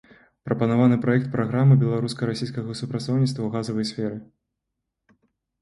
Прапанаваны праект праграмы беларуска-расійскага супрацоўніцтва ў газавай сферы.